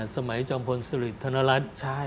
สมัยจองพลสลิทธนรัฐ